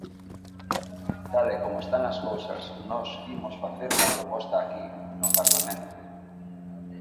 Tal e como están as cousas, nós imos facer unha proposta aquí, no Parlamento.